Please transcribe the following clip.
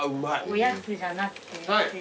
おやつじゃなくて。